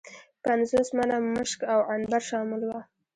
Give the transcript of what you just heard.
پنځوس منه مشک او عنبر شامل وه.